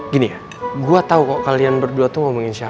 gini gue tau kok kalian berdua tuh ngomongin siapa